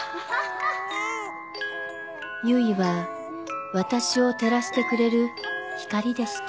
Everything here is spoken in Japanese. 結衣は私を照らしてくれる光でした。